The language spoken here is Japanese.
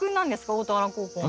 大田原高校の。